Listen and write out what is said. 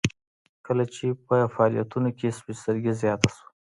کله چې په فعاليتونو کې سپين سترګي زياته شوه.